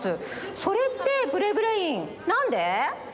それってブレブレインなんで？